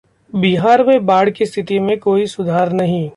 बिहार में बाढ़ की स्थिति में कोई सुधार नहीं